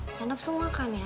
udah napsu makan ya